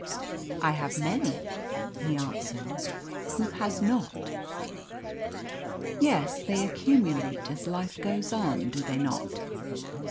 "I have many," he answered. "Who has not?" "Yes; they accumulate as life goes on, do they not?"